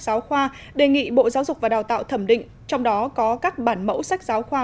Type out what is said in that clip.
giáo khoa đề nghị bộ giáo dục và đào tạo thẩm định trong đó có các bản mẫu sách giáo khoa